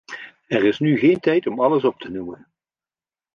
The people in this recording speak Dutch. Er is nu geen tijd om alles op te noemen.